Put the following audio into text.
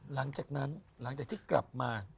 หลังจากนั้นหลังจากที่กลับมา